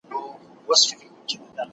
¬پر گازره نه يم، پر خرپ ئې ېم.